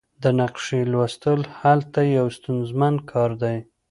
د نقشې لوستل هلته یو ستونزمن کار دی